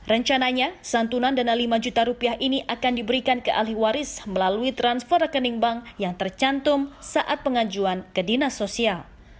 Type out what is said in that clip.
rencananya santunan dana lima juta rupiah ini akan diberikan ke ahli waris melalui transfer rekening bank yang tercantum saat pengajuan ke dinas sosial